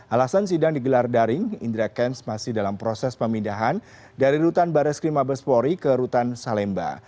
alasan sidang digelar daring indra kents masih dalam proses pemindahan dari rutan bares krim mabespori ke rutan salemba